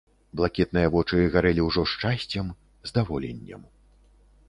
Блакітныя вочы гарэлі ўжо шчасцем, здаволеннем.